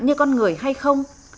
như con người hay không